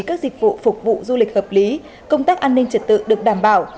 các dịch vụ phục vụ du lịch hợp lý công tác an ninh trật tự được đảm bảo